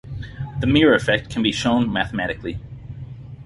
The mirror effect can be shown mathematically.